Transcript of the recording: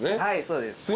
はいそうです。